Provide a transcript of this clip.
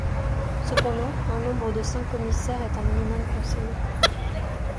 Cependant, un nombre de cinq commissaires est un minimum conseillé.